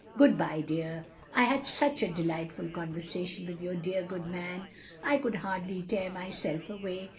"Good bye, dear, I had such a delightful con versation with yoiir dear good man, I could hardly tear myself away.